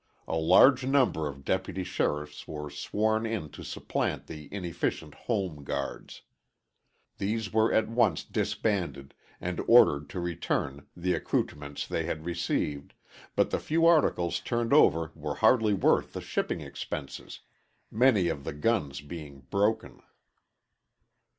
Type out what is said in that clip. A large number of deputy sheriffs were sworn in to supplant the inefficient Home Guards. These were at once disbanded and ordered to return the accoutrements they had received, but the few articles turned over were hardly worth the shipping expenses, many of the guns being broken.